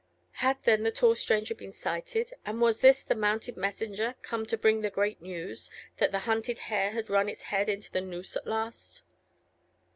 Had then the tall stranger been sighted, and was this the mounted messenger, come to bring the great news, that the hunted hare had run its head into the noose at last?